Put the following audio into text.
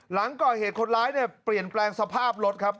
หลังก่อเหตุคนร้ายเนี่ยเปลี่ยนแปลงสภาพรถครับ